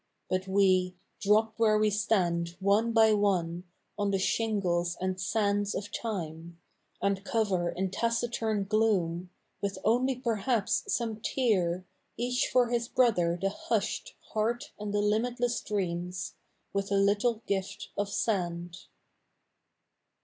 But we Drop where we stand one by one On the shingles and sands of tiihe. And cover in taciturn gloom. With only perhaps some tear. Each for his brother the hushed ILeart and the limitless dreams With a little gift of satid.